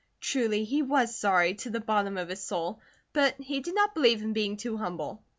Truly he was sorry, to the bottom of his soul, but he did not believe in being too humble.